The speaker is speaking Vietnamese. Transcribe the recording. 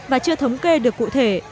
và chưa thống kê được cụ thể